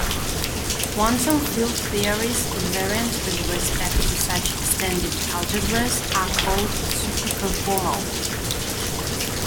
Quantum field theories invariant with respect to such extended algebras are called superconformal.